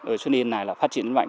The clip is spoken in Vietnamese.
ở xuân yên này là phát triển mạnh